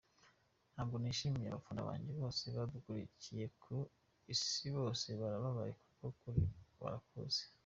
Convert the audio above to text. Ntabwo nishimye, abafana banjye bose badukurikiye ku isi bose barababaye kuko ukuri barakuzi.